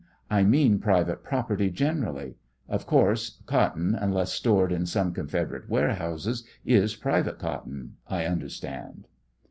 I mean private property generally; of course, cotton, unless stored in some Confederate warehouses, is private cotton, I understand